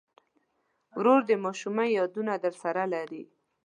ورور د ماشومۍ یادونه درسره لري.